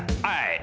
はい